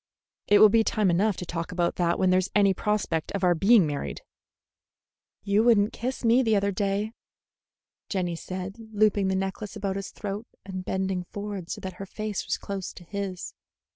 "It will be time enough to talk about that when there's any prospect of our being married." "You would n't kiss me the other day," Jenny said, looping the necklace about his throat and bending forward so that her face was close to his.